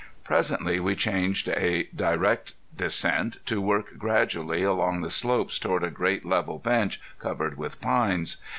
Presently we changed a direct descent to work gradually along the slopes toward a great level bench covered with pines.